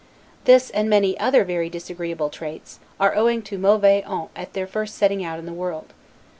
This, and many other very disagreeable habits, are owing to mauvaise honte at their first setting out in the world.